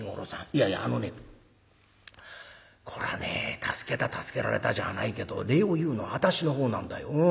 いやいやあのねこれはね助けた助けられたじゃないけど礼を言うのは私のほうなんだよ。